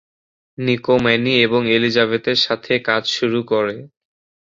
Nicco Manny এবং এলিজাবেথের সাথে কাজ শুরু করে।